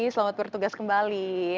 selamat bertugas kembali